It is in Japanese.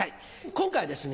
今回はですね